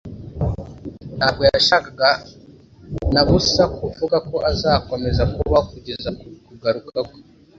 Ntabwo yashakaga na busa kuvuga ko azakomeza kubaho kugeza ku kugaruka kwe.